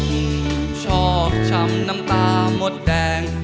ผมชอบช้ำน้ำตามดแดง